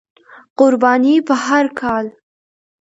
قرباني په هر کال،